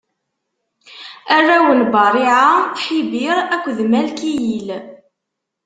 Arraw n Bariɛa: Ḥibir akked Malkiyil.